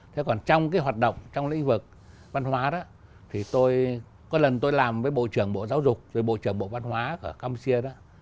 thế còn trong cái hoạt động trong lĩnh vực văn hóa đó thì tôi có lần tôi làm với bộ trưởng bộ giáo dục rồi bộ trưởng bộ văn hóa ở campuchia đó